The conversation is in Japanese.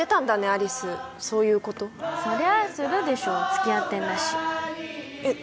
有栖そういうことそりゃあするでしょ付き合ってんだしえっ